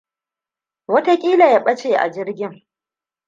Wataƙila ya ɓace jirgin.